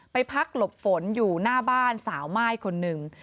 ไปพักหลบฝนอยู่หน้าบ้านสาวม่ายคนหนึ่ง